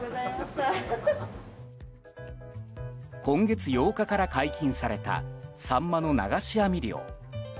今月８日から解禁されたサンマの流し網漁。